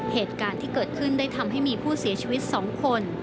เหตุการณ์ที่เกิดขึ้นได้ทำให้มีผู้เสียชีวิต๒คน